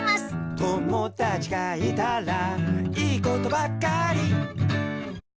「友だちがいたらいいことばっかり」